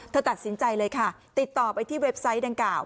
ตัดสินใจเลยค่ะติดต่อไปที่เว็บไซต์ดังกล่าว